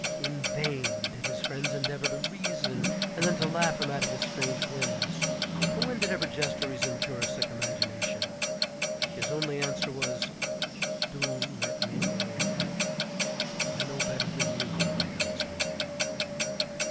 In vain did his friends endeavor to reason, and then to laugh him out of his strange whims; for when did ever jest or reason cure a sick imagination? His only answer was, "Do let me alone; I know better than you what ails me."